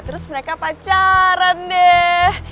terus mereka pacaran deh